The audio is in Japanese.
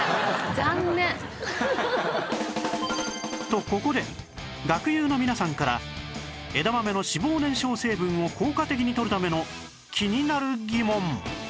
とここで学友の皆さんから枝豆の脂肪燃焼成分を効果的にとるための気になる疑問